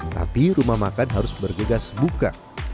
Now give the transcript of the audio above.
tapi rumah makan harus bergegas buka